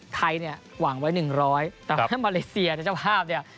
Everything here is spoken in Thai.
ไทยเนี่ยหวังไว้๑๐๐แต่ว่ามาเลเซียเนี่ยเจ้าภาพเนี่ย